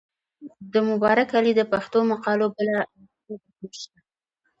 د مبارک علي د پښتو مقالو بله ټولګه هم شته.